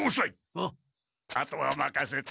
あとはまかせた。